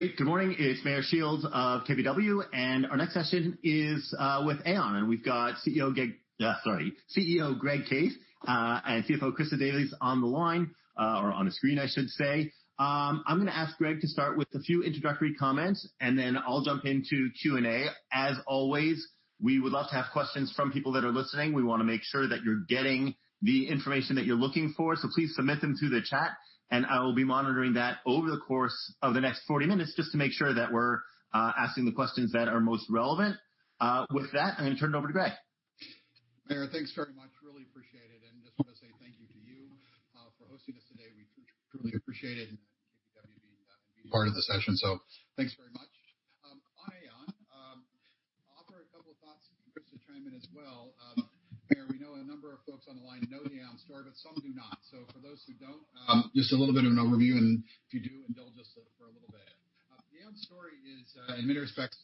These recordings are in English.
Good morning. It's Meyer Shields of KBW. Our next session is with Aon. We've got CEO Greg Case and CFO Christa Davies on the line, or on a screen, I should say. I'm going to ask Greg to start with a few introductory comments, and then I'll jump into Q&A. As always, we would love to have questions from people that are listening. We want to make sure that you're getting the information that you're looking for. Please submit them through the chat. I will be monitoring that over the course of the next 40 minutes just to make sure that we're asking the questions that are most relevant. With that, I'm going to turn it over to Greg. Meyer, thanks very much. Really appreciate it. Just want to say thank you to you for hosting us today. We truly appreciate it and KBW being part of the session. Thanks very much. On Aon, offer a couple of thoughts, Christa chime in as well. Meyer, we know a number of folks on the line know the Aon story. Some do not. For those who don't, just a little bit of an overview. If you do, indulge us for a little bit. The Aon story is, in many respects,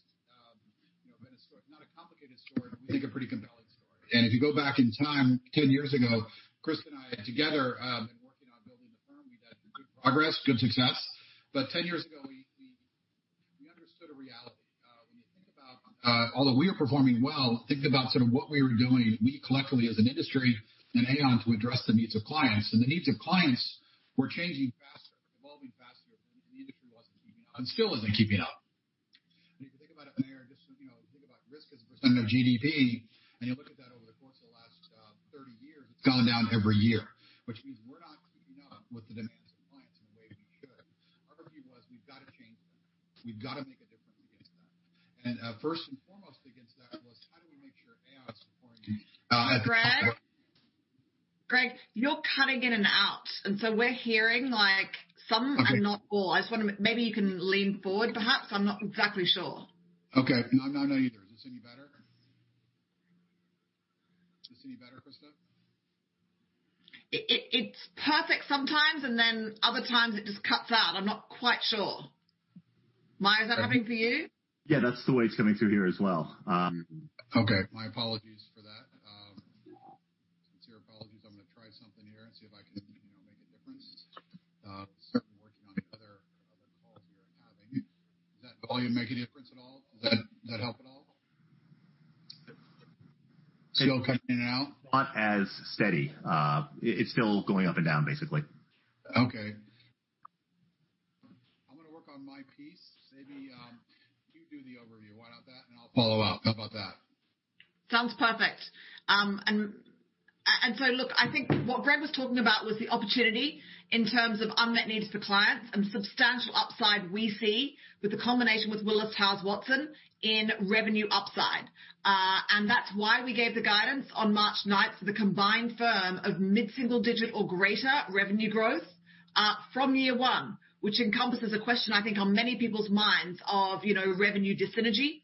not a complicated story. We think a pretty compelling story. If you go back in time, 10 years ago, Chris and I together have been working on building the firm. We've had good progress, good success. 10 years ago, we understood a reality. When you think about, although we are performing well, think about sort of what we were doing, we collectively as an industry and Aon to address the needs of clients. The needs of clients were changing faster, evolving faster. The industry wasn't keeping up, and still isn't keeping up. If you think about it, Meyer, just think about risk as a % of GDP. You look at that over the course of the last 30 years, it's gone down every year, which means we're not keeping up with the demands of clients in the way we should. Our view was we've got to change that. We've got to make a difference against that. First and foremost against that was how do we make sure Aon's supporting- Greg? Greg, you're cutting in and out. We're hearing some and not all. I just wonder, maybe you can lean forward, perhaps. I'm not exactly sure. Okay. No, I'm not either. Is this any better? Is this any better, Christa? It's perfect sometimes, and then other times it just cuts out. I'm not quite sure. Meyer, is that happening for you? Yeah, that's the way it's coming through here as well. Okay. My apologies for that. Sincere apologies. I'm going to try something here and see if I can make a difference. Does that volume make a difference at all? Does that help at all? Still cutting in and out? Not as steady. It's still going up and down, basically. Okay. I'm going to work on my piece. Maybe you do the overview. Why not that? I'll follow up. How about that? Sounds perfect. Look, I think what Greg was talking about was the opportunity in terms of unmet needs for clients and the substantial upside we see with the combination with Willis Towers Watson in revenue upside. That's why we gave the guidance on March 9th for the combined firm of mid-single digit or greater revenue growth from year one, which encompasses a question, I think, on many people's minds of revenue dyssynergy.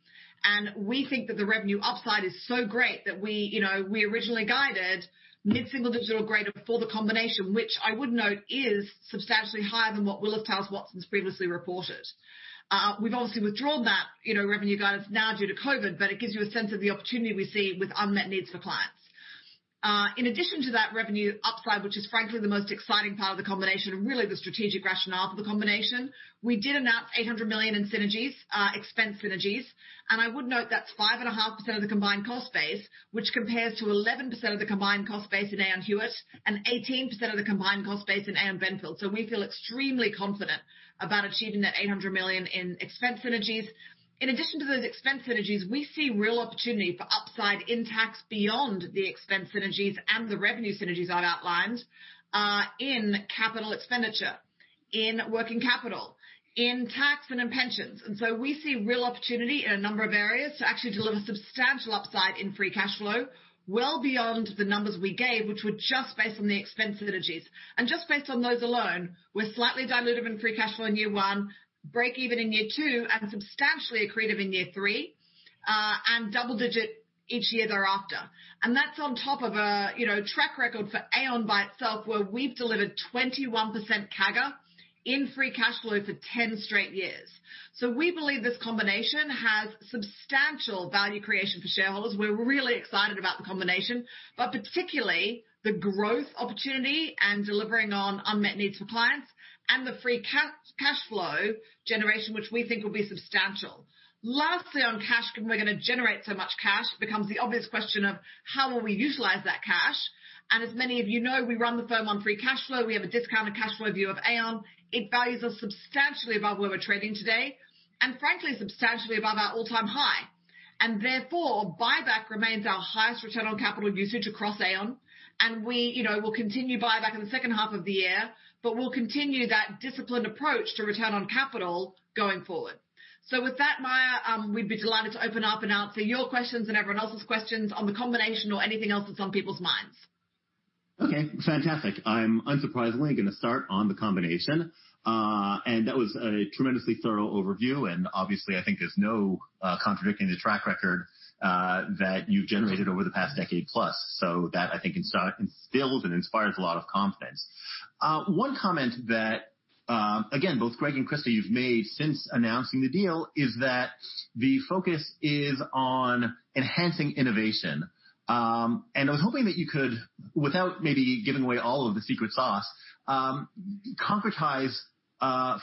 We think that the revenue upside is so great that we originally guided mid-single digit or greater for the combination, which I would note is substantially higher than what Willis Towers Watson's previously reported. We've obviously withdrawn that revenue guidance now due to COVID, but it gives you a sense of the opportunity we see with unmet needs for clients. In addition to that revenue upside, which is frankly the most exciting part of the combination and really the strategic rationale for the combination, we did announce $800 million in synergies, expense synergies. I would note that's 5.5% of the combined cost base, which compares to 11% of the combined cost base in Aon Hewitt and 18% of the combined cost base in Aon Benfield. We feel extremely confident about achieving that $800 million in expense synergies. In addition to those expense synergies, we see real opportunity for upside in tax beyond the expense synergies and the revenue synergies I've outlined, in capital expenditure, in working capital, in tax, and in pensions. We see real opportunity in a number of areas to actually deliver substantial upside in free cash flow, well beyond the numbers we gave, which were just based on the expense synergies. Just based on those alone, we're slightly dilutive in free cash flow in year one, break-even in year two, and substantially accretive in year three, and double-digit each year thereafter. That's on top of a track record for Aon by itself, where we've delivered 21% CAGR in free cash flow for 10 straight years. We believe this combination has substantial value creation for shareholders. We're really excited about the combination, but particularly the growth opportunity and delivering on unmet needs for clients and the free cash flow generation, which we think will be substantial. Lastly, on cash, given we're going to generate so much cash, becomes the obvious question of how will we utilize that cash. As many of you know, we run the firm on free cash flow. We have a discounted cash flow view of Aon. It values us substantially above where we're trading today, and frankly, substantially above our all-time high. Therefore, buyback remains our highest return on capital usage across Aon, and we will continue buyback in the second half of the year, but we'll continue that disciplined approach to return on capital going forward. With that, Meyer, we'd be delighted to open up and answer your questions and everyone else's questions on the combination or anything else that's on people's minds. Okay, fantastic. I'm unsurprisingly going to start on the combination. That was a tremendously thorough overview, and obviously, I think there's no contradicting the track record that you've generated over the past decade plus. That, I think, instills and inspires a lot of confidence. One comment that, again, both Greg and Christa, you've made since announcing the deal is that the focus is on enhancing innovation. I was hoping that you could, without maybe giving away all of the secret sauce, concretize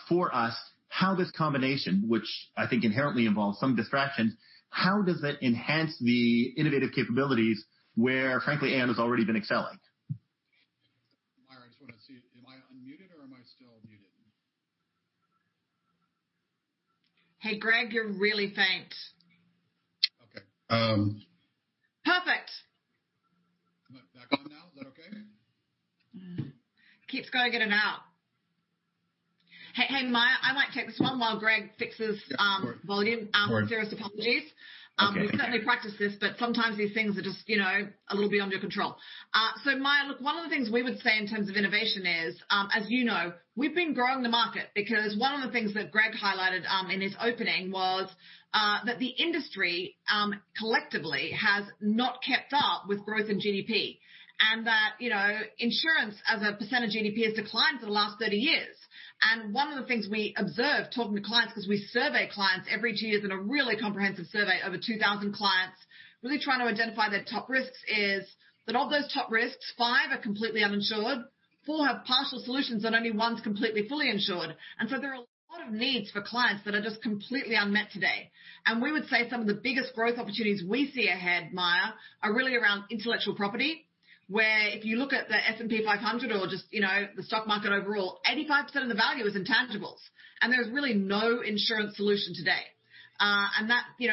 for us how this combination, which I think inherently involves some distractions, how does it enhance the innovative capabilities where, frankly, Aon has already been excelling? Meyer, I just want to see, am I unmuted or am I still muted? Hey, Greg, you're really faint. Okay. Perfect. Am I back on now? Is that okay? Keeps going in and out. Hey, Meyer, I might take this one while Greg fixes- Yeah, of course. volume. Of course. Serious apologies. It's okay. We've certainly practiced this, but sometimes these things are just a little beyond your control. Meyer, look, one of the things we would say in terms of innovation is, as you know, we've been growing the market because one of the things that Greg highlighted in his opening was that the industry collectively has not kept up with growth in GDP and that insurance as a percentage of GDP has declined for the last 30 years. One of the things we observe talking to clients, because we survey clients every two years in a really comprehensive survey, over 2,000 clients, really trying to identify their top risks is that of those top risks, five are completely uninsured, four have partial solutions, and only one's completely fully insured. There are a lot of needs for clients that are just completely unmet today. We would say some of the biggest growth opportunities we see ahead, Meyer, are really around intellectual property, where if you look at the S&P 500 or just the stock market overall, 85% of the value is intangibles. There's really no insurance solution today.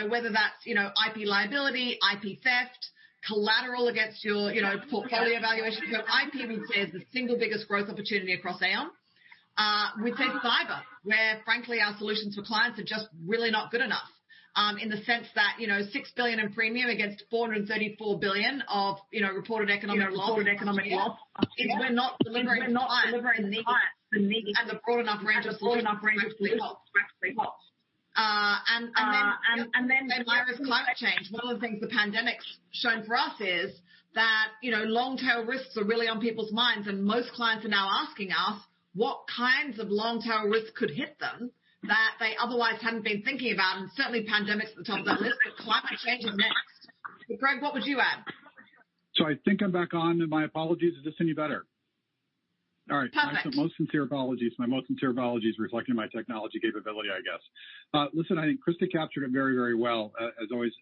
Whether that's IP liability, IP theft, collateral against your portfolio valuation. IP, we would say, is the single biggest growth opportunity across Aon. We'd say cyber, where frankly our solutions for clients are just really not good enough in the sense that $6 billion in premium against $434 billion of reported economic loss per year is we're not delivering to clients the needed and a broad enough range of solutions to actually help. There is climate change. One of the things the pandemic's shown for us is that long tail risks are really on people's minds and most clients are now asking us what kinds of long tail risks could hit them that they otherwise hadn't been thinking about. Certainly pandemic's at the top of the list, but climate change is next. Greg, what would you add? I think I'm back on and my apologies. Is this any better? All right. Perfect. My most sincere apologies reflecting my technology capability, I guess. Listen, I think Christa captured it very well as always,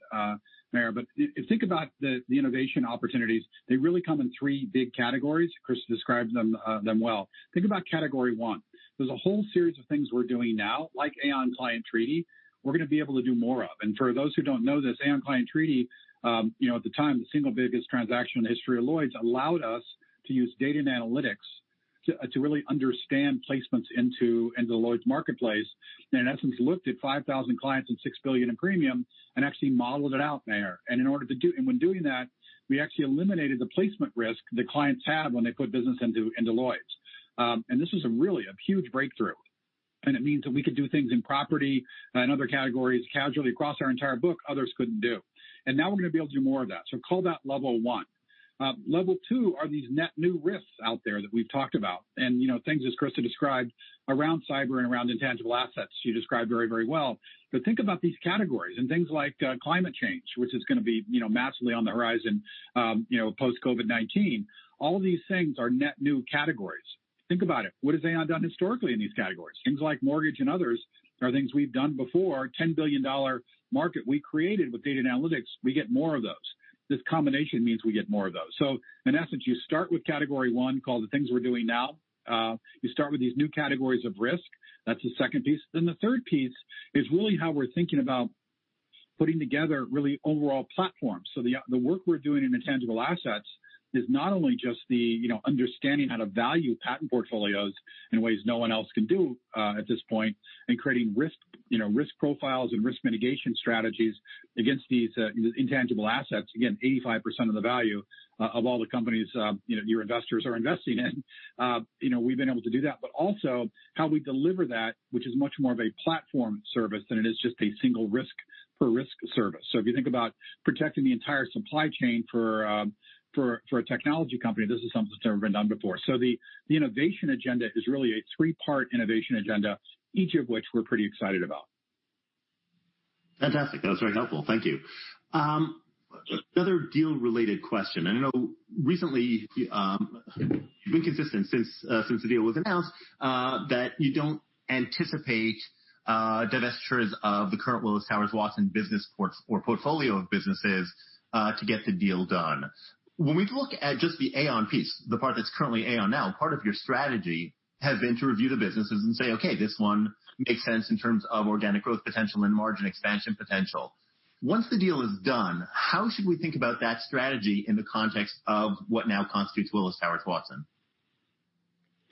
Meyer. But if you think about the innovation opportunities, they really come in three big categories. Christa described them well. Think about category one. There's a whole series of things we're doing now, like Aon Client Treaty, we're going to be able to do more of. For those who don't know this, Aon Client Treaty at the time, the single biggest transaction in the history of Lloyd's allowed us to use data and analytics to really understand placements into the Lloyd's marketplace. In essence, looked at 5,000 clients and $6 billion in premium and actually modeled it out there. When doing that, we actually eliminated the placement risk the clients had when they put business into Lloyd's. This was really a huge breakthrough. It means that we could do things in property and other categories casualty across our entire book others couldn't do. Now we're going to be able to do more of that. Call that level 1. Level 2 are these net new risks out there that we've talked about. Things as Christa described around cyber and around intangible assets, she described very well. Think about these categories and things like climate change, which is going to be massively on the horizon post COVID-19. All of these things are net new categories. Think about it. What has Aon done historically in these categories? Things like mortgage and others are things we've done before. $10 billion market we created with data and analytics. We get more of those. This combination means we get more of those. In essence, you start with category 1, call it the things we're doing now. You start with these new categories of risk. That's the second piece. The third piece is really how we're thinking about putting together really overall platforms. The work we're doing in intangible assets is not only just the understanding how to value patent portfolios in ways no one else can do at this point and creating risk profiles and risk mitigation strategies against these intangible assets. Again, 85% of the value of all the companies your investors are investing in. We've been able to do that, but also how we deliver that which is much more of a platform service than it is just a single risk per risk service. If you think about protecting the entire supply chain for a technology company, this is something that's never been done before. The innovation agenda is really a three-part innovation agenda, each of which we're pretty excited about. Fantastic. That was very helpful. Thank you. Another deal related question. I know recently you've been consistent since the deal was announced that you don't anticipate divestitures of the current Willis Towers Watson business or portfolio of businesses to get the deal done. When we look at just the Aon piece, the part that's currently Aon now, part of your strategy has been to review the businesses and say, "Okay, this one makes sense in terms of organic growth potential and margin expansion potential." Once the deal is done, how should we think about that strategy in the context of what now constitutes Willis Towers Watson?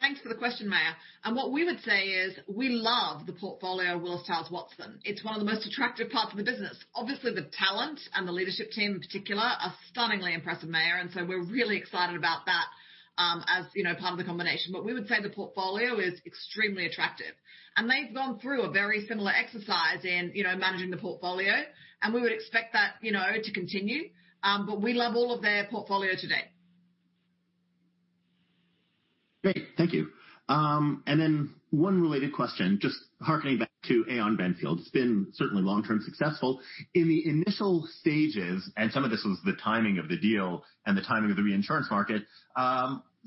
Thanks for the question, Meyer. What we would say is we love the portfolio of Willis Towers Watson. It's one of the most attractive parts of the business. Obviously, the talent and the leadership team in particular are stunningly impressive, Meyer, we're really excited about that as part of the combination. We would say the portfolio is extremely attractive. They've gone through a very similar exercise in managing the portfolio, and we would expect that to continue. We love all of their portfolio today. Great. Thank you. One related question, just hearkening back to Aon Benfield, it's been certainly long-term successful. In the initial stages, and some of this was the timing of the deal and the timing of the reinsurance market,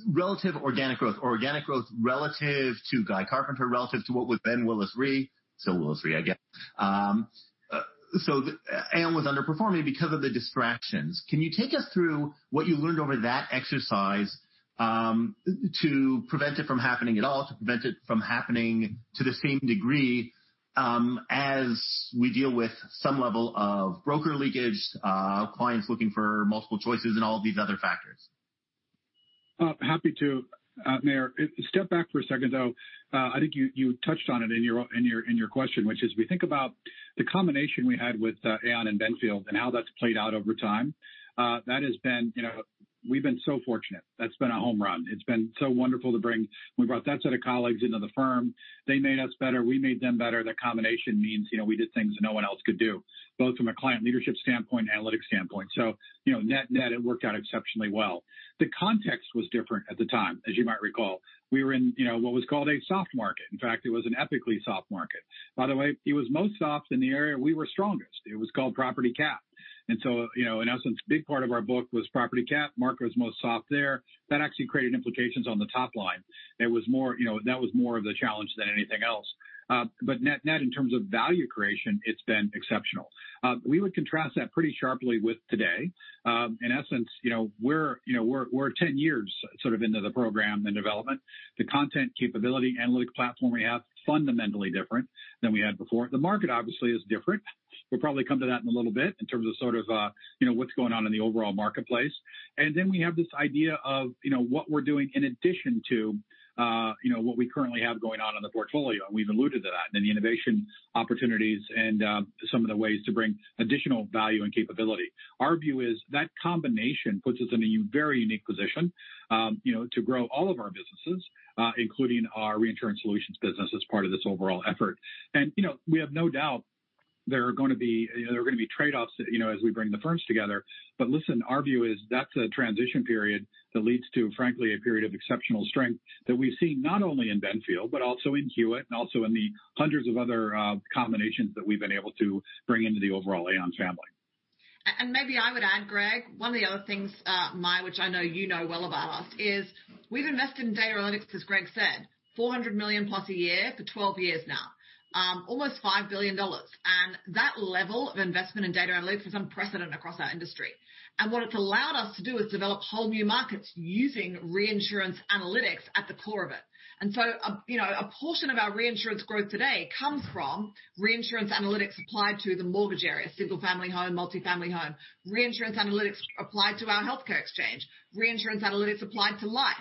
relative organic growth, organic growth relative to Guy Carpenter, relative to what was then Willis Re, still Willis Re, I guess. Aon was underperforming because of the distractions. Can you take us through what you learned over that exercise to prevent it from happening at all, to prevent it from happening to the same degree as we deal with some level of broker leakage, clients looking for multiple choices and all of these other factors? Happy to, Meyer. Step back for a second, though. I think you touched on it in your question, which is we think about the combination we had with Aon and Benfield and how that's played out over time. We've been so fortunate. That's been a home run. It's been so wonderful. We brought that set of colleagues into the firm. They made us better. We made them better. That combination means, we did things that no one else could do, both from a client leadership standpoint, analytic standpoint. Net, it worked out exceptionally well. The context was different at the time, as you might recall. We were in what was called a soft market. In fact, it was an epically soft market. By the way, it was most soft in the area we were strongest. It was called property cat. In essence, big part of our book was property cat. Market was most soft there. That actually created implications on the top line. That was more of the challenge than anything else. Net, in terms of value creation, it's been exceptional. We would contrast that pretty sharply with today. In essence, we're 10 years sort of into the program and development. The content capability analytic platform we have, fundamentally different than we had before. The market obviously is different. We'll probably come to that in a little bit in terms of sort of what's going on in the overall marketplace. We have this idea of what we're doing in addition to what we currently have going on in the portfolio, and we've alluded to that, and the innovation opportunities and some of the ways to bring additional value and capability. Our view is that combination puts us in a very unique position to grow all of our businesses, including our reinsurance solutions business as part of this overall effort. We have no doubt there are going to be trade-offs as we bring the firms together. Listen, our view is that's a transition period that leads to, frankly, a period of exceptional strength that we've seen not only in Benfield but also in Hewitt and also in the hundreds of other combinations that we've been able to bring into the overall Aon family. Maybe I would add, Greg, one of the other things, Meyer, which I know you know well about us, is we've invested in data analytics, as Greg said, $400 million plus a year for 12 years now, almost $5 billion. That level of investment in data analytics is unprecedented across our industry. What it's allowed us to do is develop whole new markets using reinsurance analytics at the core of it. A portion of our reinsurance growth today comes from reinsurance analytics applied to the mortgage area, single-family home, multi-family home, reinsurance analytics applied to our healthcare exchange, reinsurance analytics applied to life.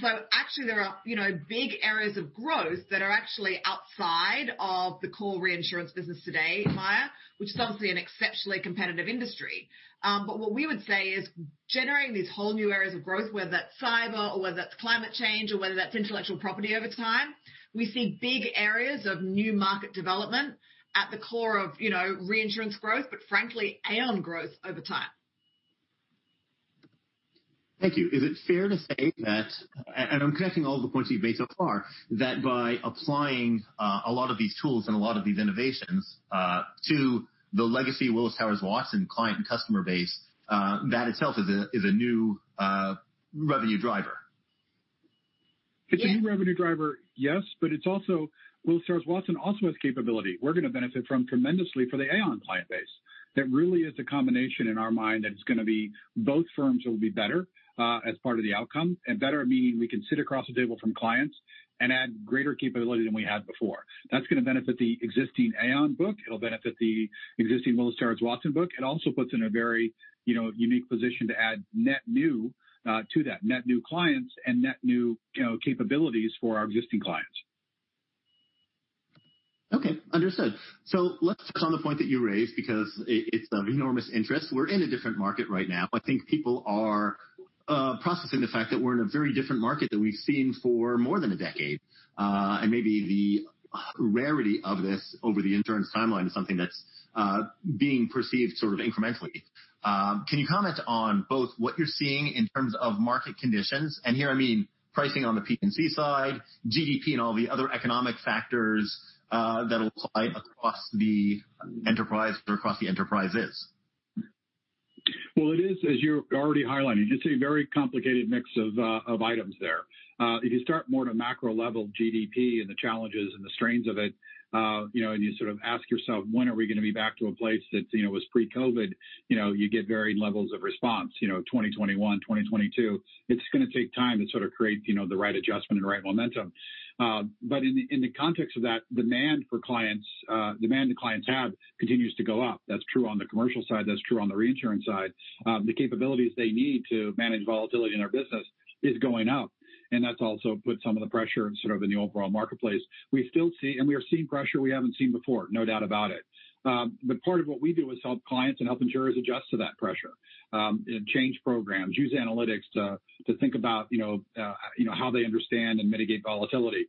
So actually there are big areas of growth that are actually outside of the core reinsurance business today, Meyer, which is obviously an exceptionally competitive industry. What we would say is generating these whole new areas of growth, whether that's cyber or whether that's climate change or whether that's intellectual property over time, we see big areas of new market development at the core of reinsurance growth, frankly, Aon growth over time. Thank you. Is it fair to say that, I'm connecting all the points you've made so far, that by applying a lot of these tools and a lot of these innovations to the legacy Willis Towers Watson client and customer base, that itself is a new revenue driver? Yes. It's a new revenue driver, yes. Willis Towers Watson also has capability we're going to benefit from tremendously for the Aon client base. That really is the combination in our mind that it's going to be both firms will be better as part of the outcome and better meaning we can sit across the table from clients and add greater capability than we had before. That's going to benefit the existing Aon book. It'll benefit the existing Willis Towers Watson book. It also puts in a very unique position to add net new to that, net new clients and net new capabilities for our existing clients. Okay. Understood. Let's touch on the point that you raised because it's of enormous interest. We're in a different market right now. I think people are processing the fact that we're in a very different market than we've seen for more than a decade. Maybe the rarity of this over the insurance timeline is something that's being perceived sort of incrementally. Can you comment on both what you're seeing in terms of market conditions, and here I mean pricing on the P&C side, GDP and all the other economic factors that apply across the enterprise or across the enterprises? Well, it is, as you're already highlighting, it's a very complicated mix of items there. If you start more at a macro level, GDP and the challenges and the strains of it, and you sort of ask yourself, "When are we going to be back to a place that was pre-COVID?" You get varied levels of response, 2021, 2022. It's going to take time to sort of create the right adjustment and the right momentum. In the context of that, demand that clients have continues to go up. That's true on the commercial side, that's true on the reinsurance side. The capabilities they need to manage volatility in our business is going up, and that's also put some of the pressure sort of in the overall marketplace. We still see, and we are seeing pressure we haven't seen before, no doubt about it. Part of what we do is help clients and help insurers adjust to that pressure, and change programs, use analytics to think about how they understand and mitigate volatility.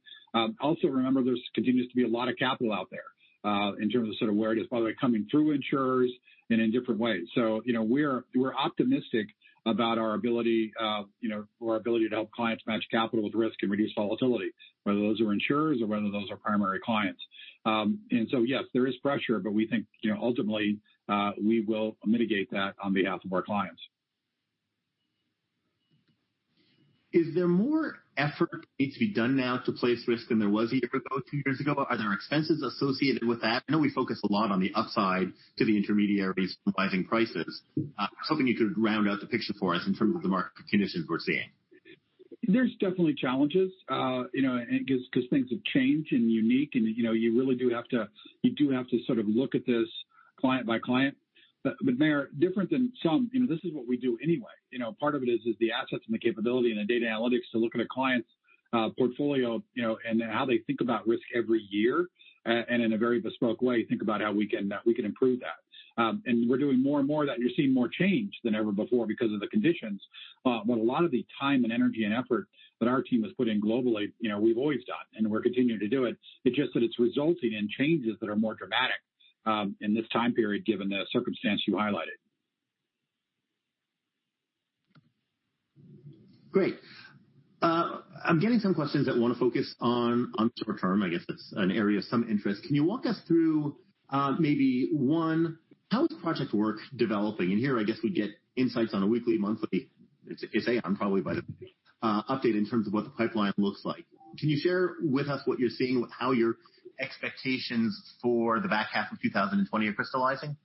Also remember, there continues to be a lot of capital out there. In terms of where it is, by the way, coming through insurers and in different ways. We're optimistic about our ability to help clients match capital with risk and reduce volatility, whether those are insurers or whether those are primary clients. Yes, there is pressure, but we think ultimately, we will mitigate that on behalf of our clients. Is there more effort that needs to be done now to place risk than there was a year ago, two years ago? Are there expenses associated with that? I know we focus a lot on the upside to the intermediaries pricing prices. I was hoping you could round out the picture for us in terms of the market conditions we're seeing. There's definitely challenges. Because things have changed and unique and you really do have to look at this client by client. Meyer, different than some, this is what we do anyway. Part of it is the assets and the capability and the data analytics to look at a client's portfolio, and how they think about risk every year. In a very bespoke way, think about how we can improve that. We're doing more and more of that, and you're seeing more change than ever before because of the conditions. A lot of the time and energy and effort that our team has put in globally, we've always done, and we're continuing to do it. It's just that it's resulting in changes that are more dramatic in this time period, given the circumstance you highlighted. Great. I'm getting some questions that want to focus on short term. I guess that's an area of some interest. Can you walk us through, how is project work developing? Here, I guess we get insights on a weekly, monthly, it's Aon probably by the way, update in terms of what the pipeline looks like. Can you share with us what you're seeing, how your expectations for the back half of 2020 are crystallizing?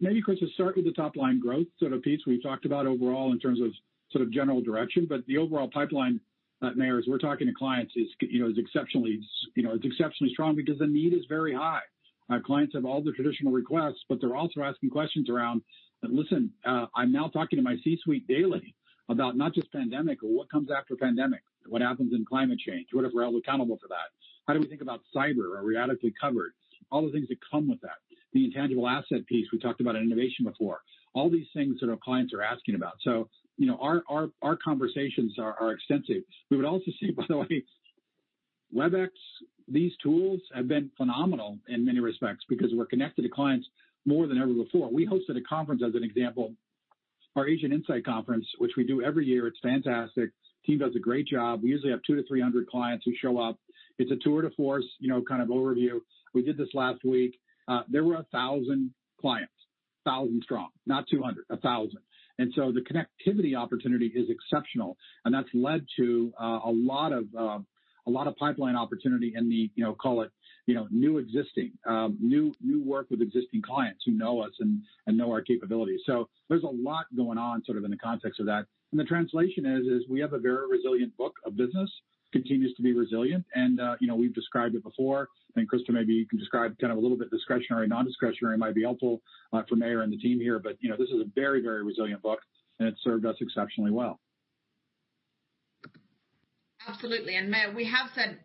Maybe, Christa, to start with the top line growth piece we've talked about overall in terms of general direction. The overall pipeline, Meyer, as we're talking to clients, it's exceptionally strong because the need is very high. Our clients have all the traditional requests. They're also asking questions around, "Listen, I'm now talking to my C-suite daily about not just pandemic or what comes after pandemic, what happens in climate change, what if we're held accountable for that? How do we think about cyber? Are we adequately covered?" All the things that come with that. The intangible asset piece we talked about in innovation before. All these things that our clients are asking about. Our conversations are extensive. We would also say, by the way, Webex, these tools have been phenomenal in many respects because we're connected to clients more than ever before. We hosted a conference as an example, our Aon Insights Series Asia, which we do every year. It's fantastic. Team does a great job. We usually have 200 to 300 clients who show up. It's a tour de force overview. We did this last week. There were 1,000 clients. 1,000 strong. Not 200, 1,000. The connectivity opportunity is exceptional, and that's led to a lot of pipeline opportunity in the call it new existing, new work with existing clients who know us and know our capabilities. There's a lot going on in the context of that. The translation is, we have a very resilient book of business, continues to be resilient. We've described it before. I think, Christa, maybe you can describe kind of a little bit discretionary, non-discretionary might be helpful for Meyer and the team here. This is a very resilient book, and it served us exceptionally well. Absolutely. Meyer, we have said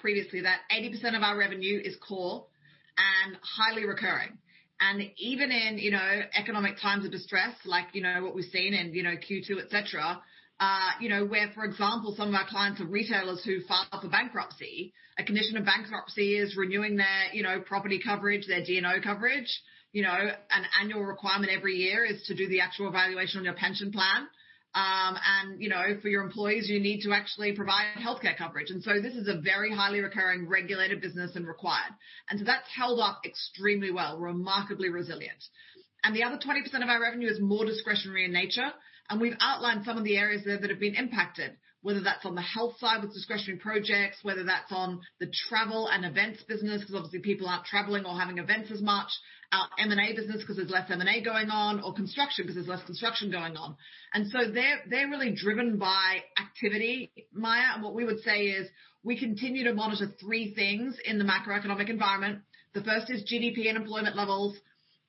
previously that 80% of our revenue is core and highly recurring. Even in economic times of distress, like what we've seen in Q2, et cetera, where, for example, some of our clients are retailers who file for bankruptcy, a condition of bankruptcy is renewing their property coverage, their D&O coverage. An annual requirement every year is to do the actual valuation on your pension plan. For your employees, you need to actually provide healthcare coverage. This is a very highly recurring regulated business and required. That's held up extremely well, remarkably resilient. The other 20% of our revenue is more discretionary in nature, and we've outlined some of the areas there that have been impacted, whether that's on the health side with discretionary projects, whether that's on the travel and events business because obviously people aren't traveling or having events as much. Our M&A business because there's less M&A going on or construction because there's less construction going on. They're really driven by activity. Meyer, what we would say is we continue to monitor three things in the macroeconomic environment. The first is GDP and employment levels,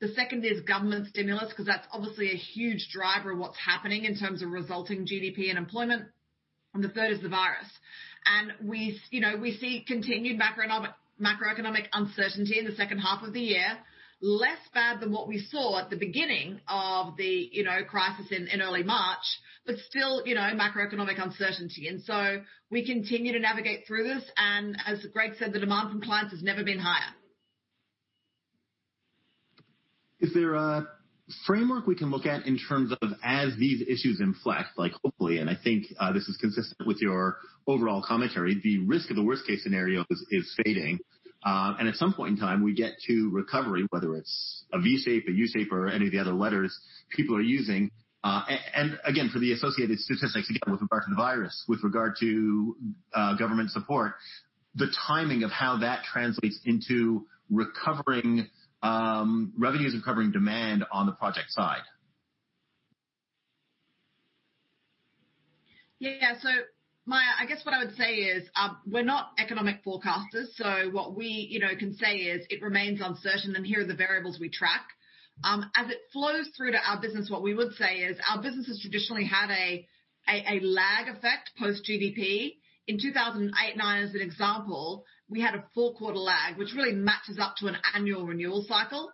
the second is government stimulus because that's obviously a huge driver of what's happening in terms of resulting GDP and employment, and the third is the virus. We see continued macroeconomic uncertainty in the second half of the year, less bad than what we saw at the beginning of the crisis in early March, but still macroeconomic uncertainty. We continue to navigate through this, and as Greg said, the demand from clients has never been higher. Is there a framework we can look at in terms of as these issues inflect, hopefully, and I think this is consistent with your overall commentary, the risk of the worst case scenario is fading. At some point in time, we get to recovery, whether it's a V-shape, a U-shape or any of the other letters people are using. Again, for the associated statistics again with regard to the virus, with regard to government support, the timing of how that translates into revenues recovering demand on the project side. Yeah. Meyer, I guess what I would say is, we're not economic forecasters, so what we can say is it remains uncertain and here are the variables we track. As it flows through to our business, what we would say is our business has traditionally had a lag effect post GDP. In 2008, 2009 as an example, we had a four-quarter lag, which really matches up to an annual renewal cycle.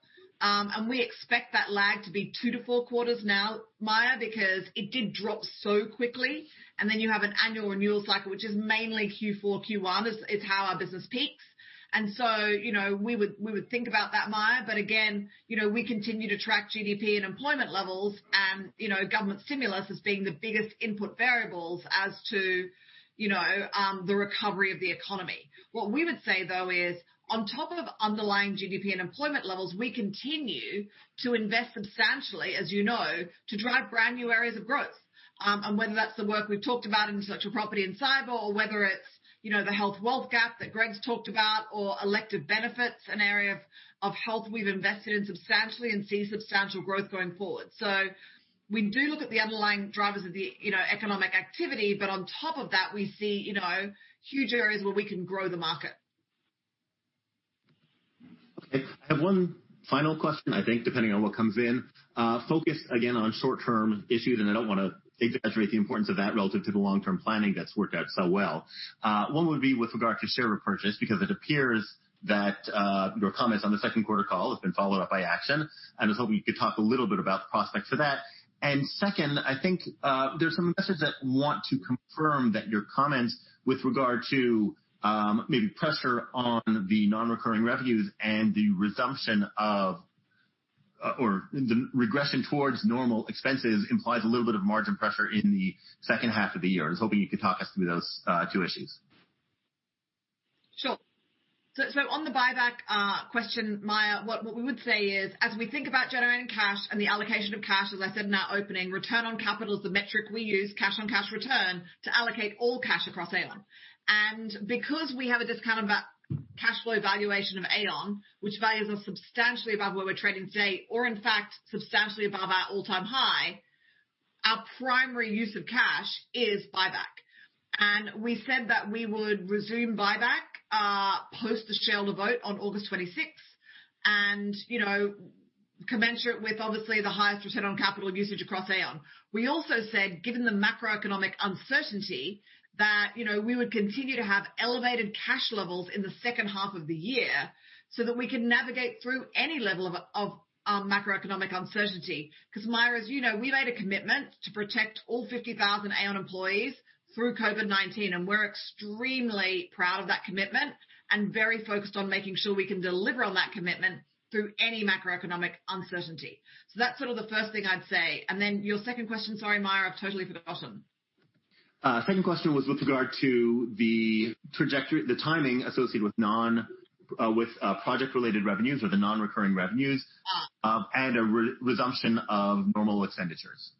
We expect that lag to be two to four quarters now, Meyer, because it did drop so quickly, and then you have an annual renewal cycle, which is mainly Q4, Q1. It's how our business peaks. We would think about that, Meyer, but again, we continue to track GDP and employment levels and government stimulus as being the biggest input variables as to the recovery of the economy. What we would say, though, is on top of underlying GDP and employment levels, we continue to invest substantially, as you know, to drive brand-new areas of growth. Whether that's the work we've talked about in intellectual property and cyber, or whether it's the health-wealth gap that Greg's talked about or voluntary benefits, an area of health we've invested in substantially and see substantial growth going forward. We do look at the underlying drivers of the economic activity, but on top of that, we see huge areas where we can grow the market. Okay. I have one final question, I think, depending on what comes in. Focus, again, on short-term issues, I don't want to exaggerate the importance of that relative to the long-term planning that's worked out so well. One would be with regard to share repurchase, because it appears that your comments on the second quarter call have been followed up by action. I was hoping you could talk a little bit about the prospects for that. Second, I think there's some investors that want to confirm that your comments with regard to maybe pressure on the non-recurring revenues and the resumption of or the regression towards normal expenses implies a little bit of margin pressure in the second half of the year. I was hoping you could talk us through those two issues. Sure. On the buyback question, Meyer, what we would say is, as we think about generating cash and the allocation of cash, as I said in our opening, return on capital is the metric we use, cash on cash return, to allocate all cash across Aon. Because we have a discounted cash flow valuation of Aon, which values us substantially above where we're trading today, or in fact substantially above our all-time high, our primary use of cash is buyback. We said that we would resume buyback post the shareholder vote on August 26th and commensurate with obviously the highest return on capital usage across Aon. We also said, given the macroeconomic uncertainty, that we would continue to have elevated cash levels in the second half of the year so that we can navigate through any level of macroeconomic uncertainty. Meyer, as you know, we made a commitment to protect all 50,000 Aon employees through COVID-19, and we're extremely proud of that commitment and very focused on making sure we can deliver on that commitment through any macroeconomic uncertainty. That's sort of the first thing I'd say. Then your second question, sorry, Meyer, I've totally forgotten. Second question was with regard to the trajectory, the timing associated with project-related revenues or the non-recurring revenues- A resumption of normal expenditures.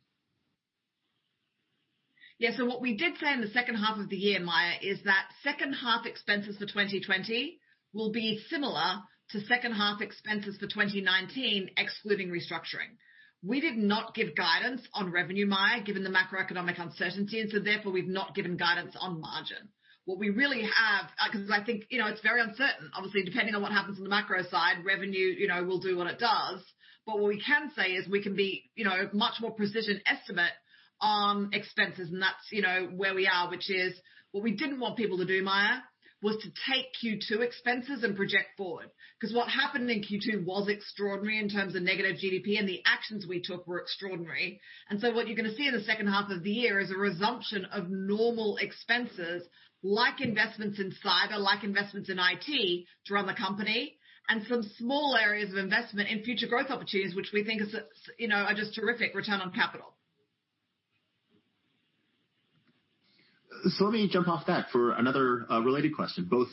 Yeah. What we did say in the second half of the year, Meyer, is that second half expenses for 2020 will be similar to second half expenses for 2019, excluding restructuring. We did not give guidance on revenue, Meyer, given the macroeconomic uncertainty, therefore, we've not given guidance on margin. What we really have, because I think it's very uncertain, obviously, depending on what happens on the macro side, revenue will do what it does. What we can say is we can be much more precision estimate on expenses, and that's where we are, which is what we didn't want people to do, Meyer, was to take Q2 expenses and project forward. What happened in Q2 was extraordinary in terms of negative GDP, and the actions we took were extraordinary. What you're going to see in the second half of the year is a resumption of normal expenses like investments in cyber, like investments in IT to run the company, and some small areas of investment in future growth opportunities, which we think are just terrific return on capital. Let me jump off that for another related question, both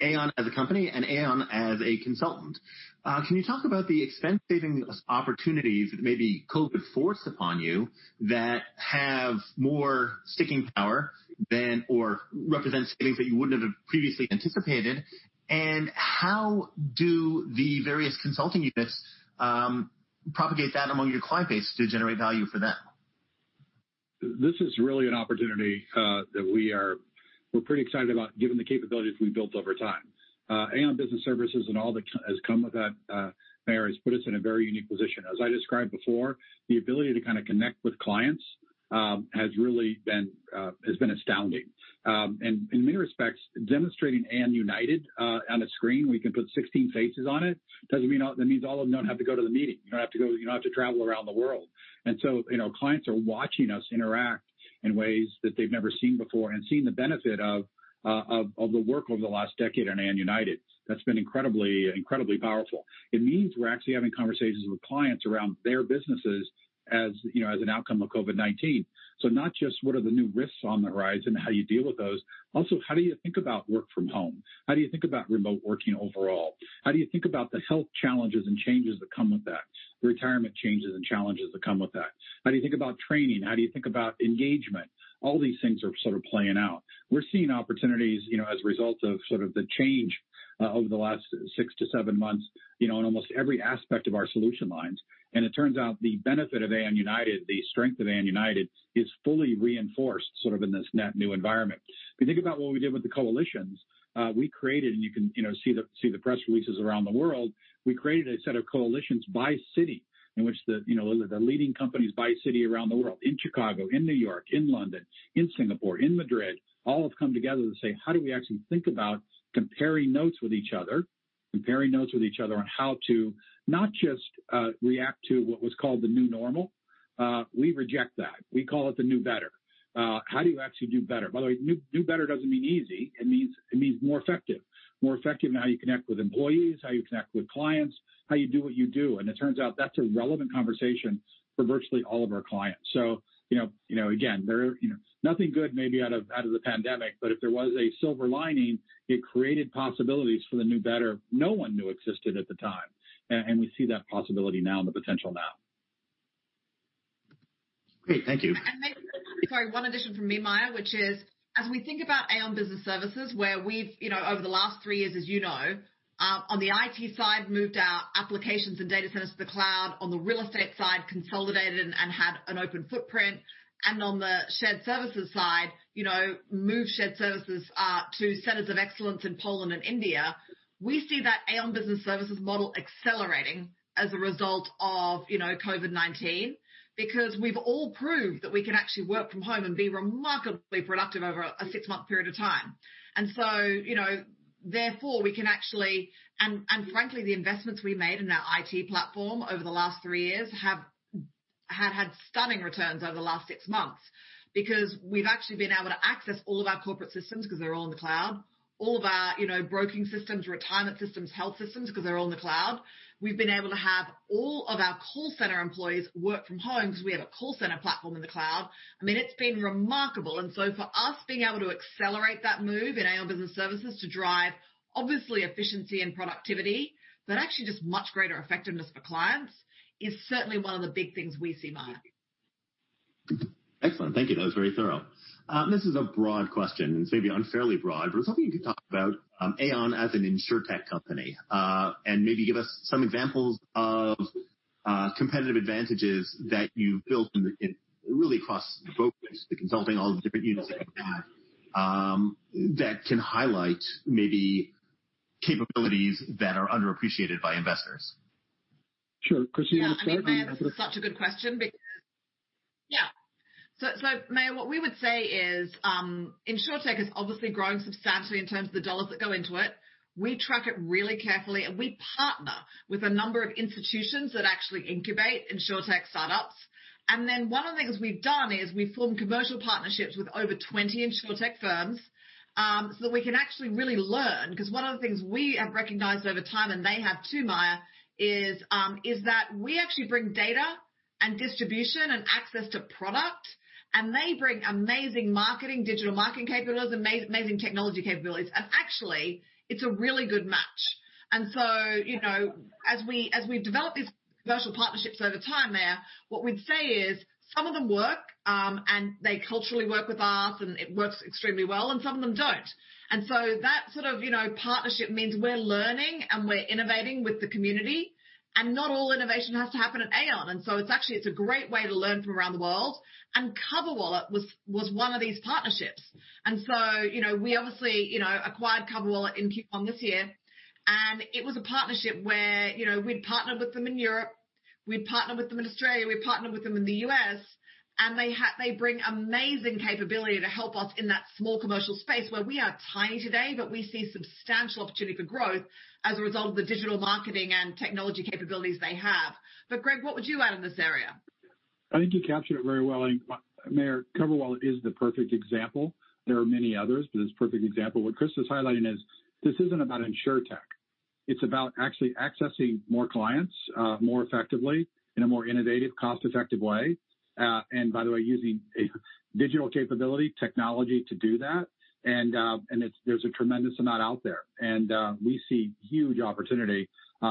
Aon as a company and Aon as a consultant. Can you talk about the expense saving opportunities that maybe COVID forced upon you that have more sticking power than or represent savings that you wouldn't have previously anticipated? How do the various consulting units propagate that among your client base to generate value for them? This is really an opportunity that we're pretty excited about given the capabilities we've built over time. Aon Business Services and all that has come with that, Meyer, has put us in a very unique position. As I described before, the ability to kind of connect with clients has really been astounding. In many respects, demonstrating Aon United on a screen, we can put 16 faces on it. That means all of them don't have to go to the meeting. You don't have to travel around the world. Clients are watching us interact in ways that they've never seen before and seeing the benefit of the work over the last decade in Aon United. That's been incredibly powerful. It means we're actually having conversations with clients around their businesses as an outcome of COVID-19. Not just what are the new risks on the horizon and how you deal with those. Also, how do you think about work from home? How do you think about remote working overall? How do you think about the health challenges and changes that come with that? Retirement changes and challenges that come with that. How do you think about training? How do you think about engagement? All these things are sort of playing out. We're seeing opportunities as a result of sort of the change over the last six to seven months in almost every aspect of our solution lines. It turns out the benefit of Aon United, the strength of Aon United, is fully reinforced sort of in this net new environment. If you think about what we did with the coalitions, we created, you can see the press releases around the world, we created a set of coalitions by city in which the leading companies by city around the world, in Chicago, in New York, in London, in Singapore, in Madrid, all have come together to say, "How do we actually think about comparing notes with each other?" Comparing notes with each other on how to not just react to what was called the new normal. We reject that. We call it the new better. How do you actually do better? By the way, new better doesn't mean easy. It means more effective. More effective in how you connect with employees, how you connect with clients, how you do what you do. It turns out that's a relevant conversation for virtually all of our clients. Again, nothing good maybe out of the pandemic, but if there was a silver lining, it created possibilities for the new better no one knew existed at the time. We see that possibility now and the potential now. Great. Thank you. Maybe, sorry, one addition from me, Meyer, which is as we think about Aon Business Services, where we've, over the last 3 years, as you know, on the IT side, moved our applications and data centers to the cloud, on the real estate side, consolidated and had an open footprint, and on the shared services side, moved shared services to centers of excellence in Poland and India. We see that Aon Business Services model accelerating as a result of COVID-19 because we've all proved that we can actually work from home and be remarkably productive over a 6-month period of time. Frankly, the investments we made in our IT platform over the last 3 years have had stunning returns over the last 6 months because we've actually been able to access all of our corporate systems because they're all in the cloud, all of our broking systems, retirement systems, health systems because they're all in the cloud. We've been able to have all of our call center employees work from home because we have a call center platform in the cloud. It's been remarkable. So for us, being able to accelerate that move in Aon Business Services to drive obviously efficiency and productivity, but actually just much greater effectiveness for clients is certainly one of the big things we see, Meyer. Excellent. Thank you. That was very thorough. This is a broad question, this may be unfairly broad, but I was hoping you could talk about Aon as an insurtech company. Maybe give us some examples of competitive advantages that you've built in really across the focus, the consulting, all the different units that you have, that can highlight maybe capabilities that are underappreciated by investors. Sure. Christa, you want to start? I mean, Meyer, this is such a good question because Yeah. Meyer, what we would say is insurtech is obviously growing substantially in terms of the dollars that go into it. We track it really carefully, and we partner with a number of institutions that actually incubate insurtech startups. One of the things we've done is we formed commercial partnerships with over 20 insurtech firms, so that we can actually really learn, because one of the things we have recognized over time, and they have too, Meyer, is that we actually bring data and distribution and access to product, and they bring amazing marketing, digital marketing capabilities, amazing technology capabilities. Actually, it's a really good match. As we've developed these commercial partnerships over time, Meyer, what we'd say is some of them work, and they culturally work with us, and it works extremely well, and some of them don't. That sort of partnership means we're learning, and we're innovating with the community, and not all innovation has to happen at Aon. It's actually a great way to learn from around the world. CoverWallet was one of these partnerships. We obviously acquired CoverWallet in Q1 this year, and it was a partnership where we'd partnered with them in Europe, we'd partnered with them in Australia, we partnered with them in the U.S., and they bring amazing capability to help us in that small commercial space where we are tiny today, but we see substantial opportunity for growth as a result of the digital marketing and technology capabilities they have. Greg, what would you add in this area? I think you captured it very well. Meyer, CoverWallet is the perfect example. There are many others, but it's a perfect example. What Christa is highlighting is this isn't about insurtech. It's about actually accessing more clients more effectively in a more innovative, cost-effective way. By the way, using a digital capability technology to do that. There's a tremendous amount out there. We see huge opportunity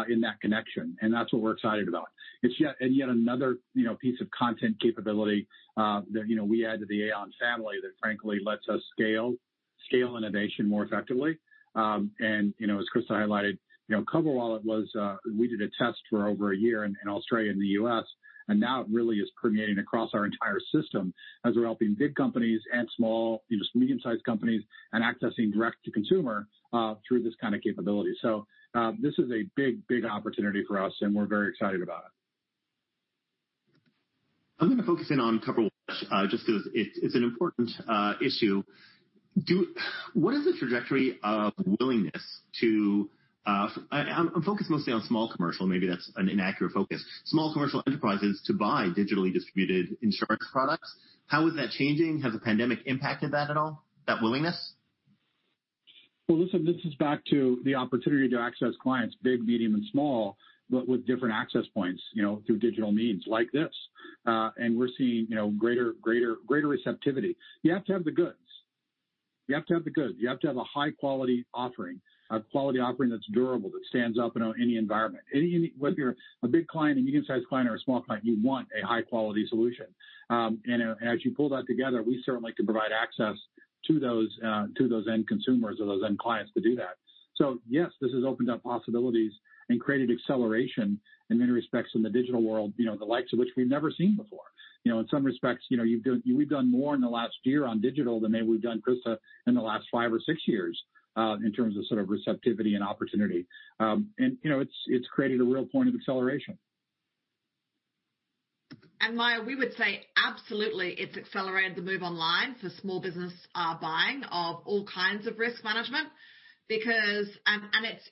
in that connection, and that's what we're excited about. It's yet another piece of content capability that we add to the Aon family that frankly lets us scale innovation more effectively. As Christa highlighted, CoverWallet was, we did a test for over a year in Australia and the U.S., and now it really is permeating across our entire system as we're helping big companies and small, medium-sized companies, and accessing direct to consumer through this kind of capability. This is a big opportunity for us, and we're very excited about it. I'm going to focus in on CoverWallet just because it's an important issue. What is the trajectory of willingness to I'm focused mostly on small commercial, maybe that's an inaccurate focus, small commercial enterprises to buy digitally distributed insurance products. How is that changing? Has the pandemic impacted that at all, that willingness? Well, listen, this is back to the opportunity to access clients, big, medium, and small, but with different access points through digital means like this. We're seeing greater receptivity. You have to have the goods. You have to have a high-quality offering, a quality offering that's durable, that stands up in any environment. Whether you're a big client, a medium-sized client, or a small client, you want a high-quality solution. As you pull that together, we certainly can provide access to those end consumers or those end clients to do that. Yes, this has opened up possibilities and created acceleration in many respects in the digital world, the likes of which we've never seen before. In some respects, we've done more in the last year on digital than maybe we've done, Christa, in the last five or six years in terms of sort of receptivity and opportunity. It's created a real point of acceleration. Meyer, we would say absolutely, it's accelerated the move online for small business buying of all kinds of risk management because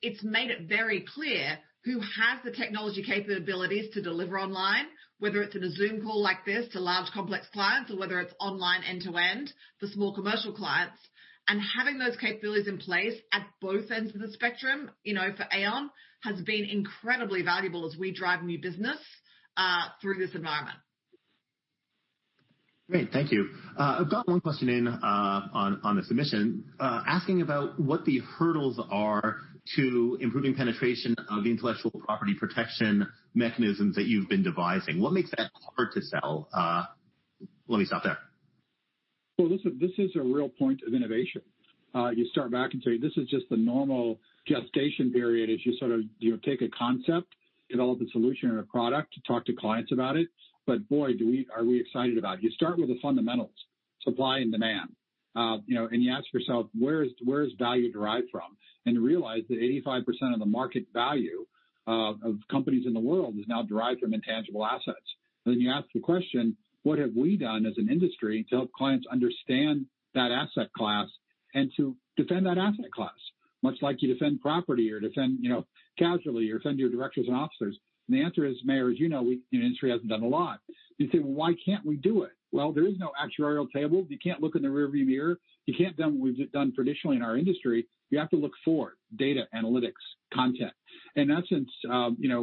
it's made it very clear who has the technology capabilities to deliver online, whether it's in a Zoom call like this to large complex clients or whether it's online end-to-end for small commercial clients. Having those capabilities in place at both ends of the spectrum for Aon has been incredibly valuable as we drive new business through this environment. Great. Thank you. I've got one question in on the submission, asking about what the hurdles are to improving penetration of the intellectual property protection mechanisms that you've been devising. What makes that harder to sell? Let me stop there. Well, this is a real point of innovation. You start back and say this is just the normal gestation period as you take a concept, develop a solution or a product to talk to clients about it. Boy, are we excited about it. You start with the fundamentals, supply and demand. You ask yourself, where is value derived from? You realize that 85% of the market value of companies in the world is now derived from intangible assets. Then you ask the question, what have we done as an industry to help clients understand that asset class and to defend that asset class, much like you defend property or defend casualty or defend your directors and officers? The answer is, Meyer, as you know, our industry hasn't done a lot. You say, "Well, why can't we do it?" Well, there is no actuarial table. You can't look in the rear view mirror. You can't do what we've done traditionally in our industry. You have to look forward, data, analytics, content. In that sense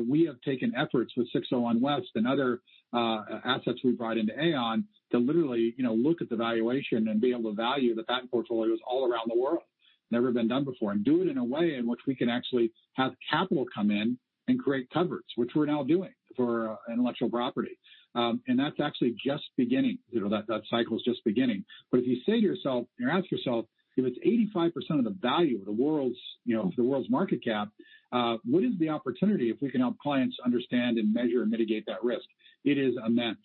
we have taken efforts with 601West and other assets we brought into Aon to literally look at the valuation and be able to value the patent portfolios all around the world. Never been done before. Do it in a way in which we can actually have capital come in and create coverage, which we're now doing for intellectual property. That's actually just beginning. That cycle is just beginning. If you say to yourself or you ask yourself if it's 85% of the value of the world's market cap, what is the opportunity if we can help clients understand and measure and mitigate that risk? It is immense.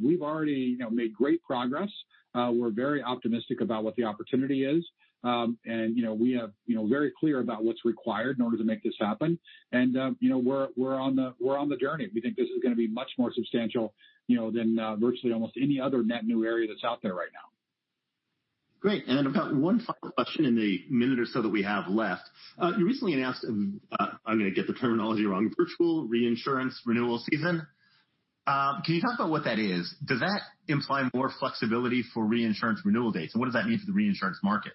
We've already made great progress. We're very optimistic about what the opportunity is. We are very clear about what's required in order to make this happen. We're on the journey. We think this is going to be much more substantial than virtually almost any other net new area that's out there right now. Great. I've got one final question in the minute or so that we have left. You recently announced, I'm going to get the terminology wrong, virtual reinsurance renewal season. Can you talk about what that is? Does that imply more flexibility for reinsurance renewal dates? What does that mean for the reinsurance market?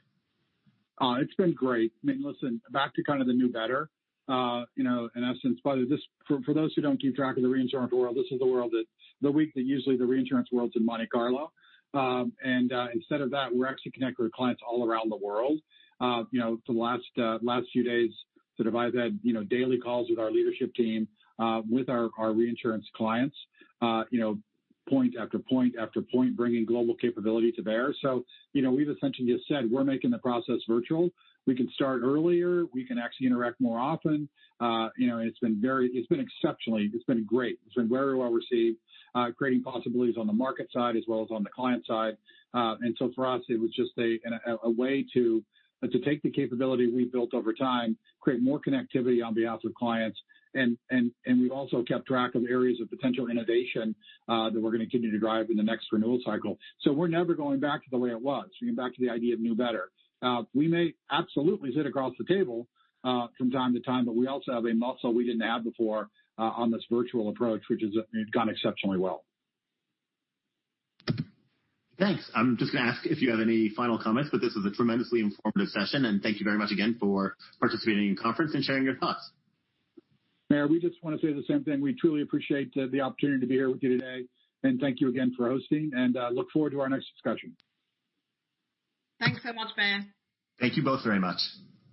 It's been great. Listen, back to kind of the new better, in essence, by the way, for those who don't keep track of the reinsurance world, this is the world that the week that usually the reinsurance world's in Monte Carlo. Instead of that, we're actually connected with clients all around the world. For the last few days, to divide that, daily calls with our leadership team, with our reinsurance clients, point after point after point, bringing global capability to bear. We've essentially just said we're making the process virtual. We can start earlier. We can actually interact more often. It's been exceptionally great. It's been very well received, creating possibilities on the market side as well as on the client side. For us, it was just a way to take the capability we've built over time, create more connectivity on behalf of clients and we've also kept track of areas of potential innovation that we're going to continue to drive in the next renewal cycle. We're never going back to the way it was, back to the idea of new better. We may absolutely sit across the table from time to time, but we also have a muscle we didn't have before on this virtual approach, which has gone exceptionally well. Thanks. I'm just going to ask if you have any final comments, but this was a tremendously informative session, and thank you very much again for participating in the conference and sharing your thoughts. Meyer, we just want to say the same thing. We truly appreciate the opportunity to be here with you today and thank you again for hosting and look forward to our next discussion. Thanks so much, Meyer. Thank you both very much.